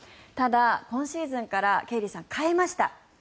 ただ、今シーズンからケイリーさん変えました。